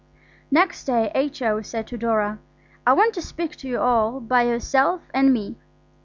Next day H.O. said to Dora, "I want to speak to you all by yourself and me."